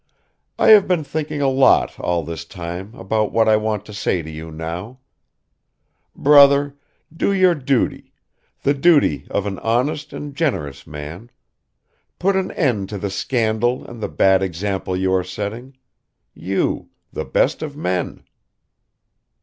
I have been thinking a lot all this time about what I want to say to you now ... Brother, do your duty, the duty of an honest and generous man, put an end to the scandal and the bad example you are setting you, the best of men!"